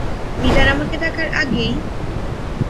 Miller আমাকে ডাকার আগেই!